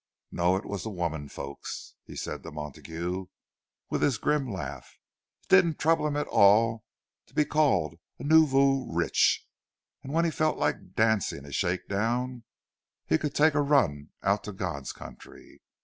No, it was the women folks, he said to Montague, with his grim laugh. It didn't trouble him at all to be called a "noovoo rich"; and when he felt like dancing a shakedown, he could take a run out to God's country.